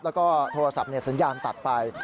แล้วก็โทรศัพท์สัญญาณตัดไป